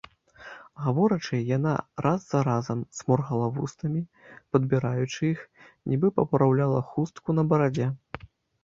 Гаворачы, яна раз за разам сморгала вуснамі, падбіраючы іх, нібы папраўляла хустку на барадзе.